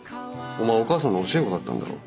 お前お母さんの教え子だったんだろ。